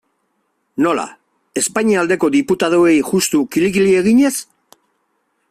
Nola, Espainia aldeko diputatuei juxtu kili-kili eginez?